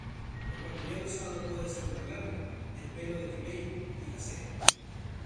El material usado puede ser la lana, el pelo de camello y la seda.